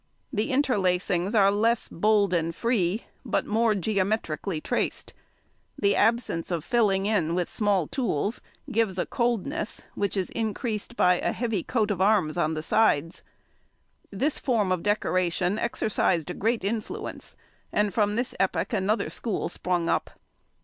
The interlacings are less bold and free, but more geometrically traced. The absence of filling in with small tools gives a coldness, which is increased by a heavy coat of arms on the sides. This form of decoration exercised a great influence, and from this epoch another school sprung up.